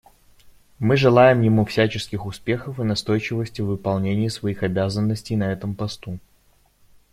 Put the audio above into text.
Мы желаем ему всяческих успехов и настойчивости в выполнении своих обязанностей на этом посту.